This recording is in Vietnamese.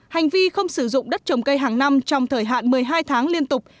hành vi không sử dụng đất trồng cây hàng năm trong thời hạn một mươi hai tháng liên tục